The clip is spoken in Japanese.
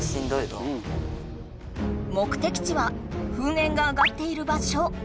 目的地はふんえんが上がっている場所。